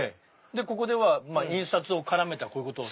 ここでは印刷を絡めたこういうことを。